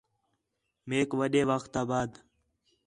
میک وݙّے وخت آ بعد